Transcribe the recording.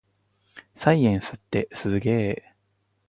サイエンスってすげぇ